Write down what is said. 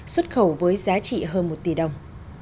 xuất khẩu với giá trị hơn một tỷ đồng